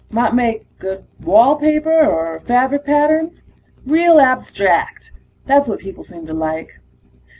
Might make good wall paper or fabric patterns. Real abstract ... that's what people seem to like.